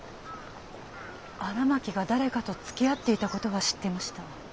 荒巻が誰かとつきあっていたことは知ってました。